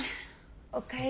おかえり。